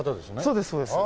そうですそうです。